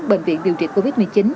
bệnh viện điều trị covid một mươi chín